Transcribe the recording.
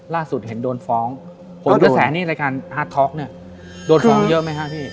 ล่าสุดเห็นโดนฟ้องผมก็แสนนี่รายการเนี้ยโดนฟ้องเยอะไหมฮะพี่